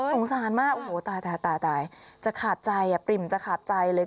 สงสารมากโอ้โหตายตายจะขาดใจปริ่มจะขาดใจเลย